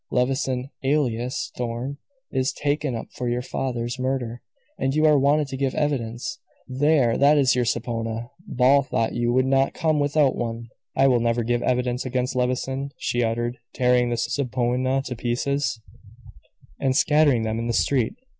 Levison alias Thorn is taken up for your father's murder, and you are wanted to give evidence. There! that's your subpoena; Ball thought you would not come without one." "I will never give evidence against Levison," she uttered, tearing the subpoena to pieces, and scattering them in the street.